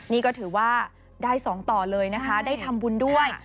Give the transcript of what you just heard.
นี่ก็ถือว่าได้๒ต่อเลยนะคะได้ทำบุญด้วย